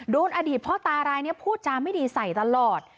อดีตพ่อตารายนี้พูดจาไม่ดีใส่ตลอด